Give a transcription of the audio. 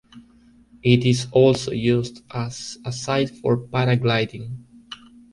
It is also used as a site for paragliding.